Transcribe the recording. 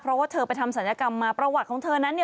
เพราะว่าเธอไปทำศัลยกรรมมาประวัติของเธอนั้นเนี่ย